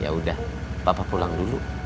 yaudah papa pulang dulu